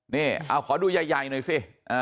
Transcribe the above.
นี่เอาขอดูใหญ่หน่อยสิ